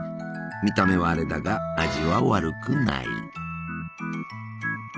見た目はアレだが味は悪くない。